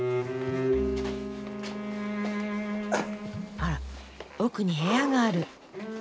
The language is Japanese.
あら奥に部屋がある。